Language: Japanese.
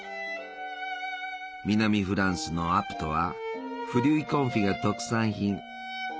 南フランスのアプトはフリュイ・コンフィが特産品。